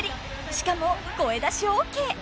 ［しかも声出しＯＫ］